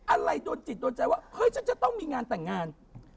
อะไรโดนจิตโดนใจว่าเฮ้ยฉันจะต้องมีงานแต่งงาน